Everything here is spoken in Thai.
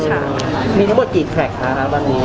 ทำหมดหรือประการได้บ้างนเนี่ย